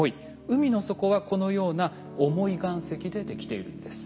海の底はこのような重い岩石でできているんです。